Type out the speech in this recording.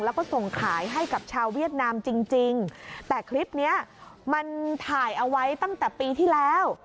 แล้วก็ส่งขายให้กับชาวเวียดนามจริงจริงแต่คลิปเนี้ยมันถ่ายเอาไว้ตั้งแต่ปีที่แล้ว